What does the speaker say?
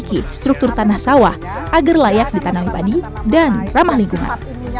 memiliki struktur tanah sawah agar layak ditanami padi dan ramah lingkungan